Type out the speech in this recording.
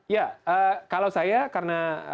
ya kalau saya karena